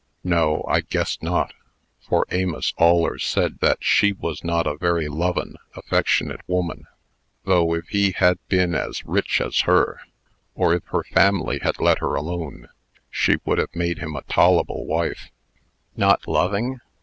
"No, I guess not; for Amos allers said that she was not a very lovin', affectionate woman; though, if he had been as rich as her, or if her family had let her alone, she would have made him a tol'able wife." "Not loving!